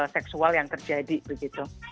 seksual yang terjadi begitu